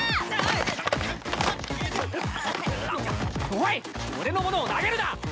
おい俺の物を投げるな！